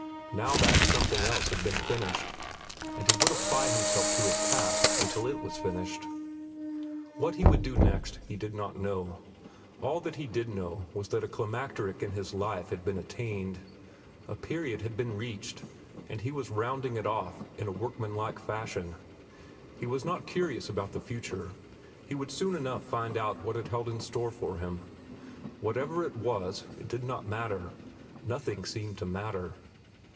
Now that something else had been finished, and he would apply himself to this task until it was finished. What he would do next he did not know. All that he did know was that a climacteric in his life had been attained. A period had been reached, and he was rounding it off in workman like fashion. He was not curious about the future. He would soon enough find out what it held in store for him. Whatever it was, it did not matter. Nothing seemed to matter.